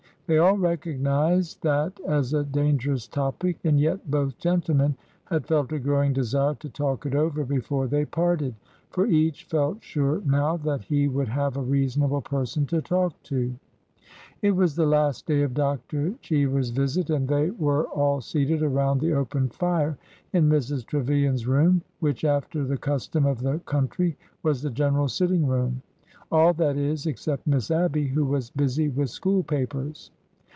They all recognized that as a dangerous topic. And yet both gentlemen had felt a growing desire to talk it over before they parted ; for each felt sure now that he would have a reasonable person to talk to. It was the last day of Dr. Cheever's visit, and they were all seated around the open fire in Mrs. Trevilian's room, which, after the custom of the country, was the general sitting room, — all, that is, except Miss Abby, who was busy with school papers.